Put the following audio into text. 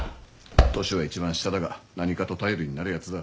年は一番下だが何かと頼りになるやつだ。